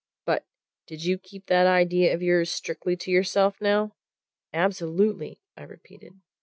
But did you keep that idea of yours strictly to yourself, now?" "Absolutely!" I repeated.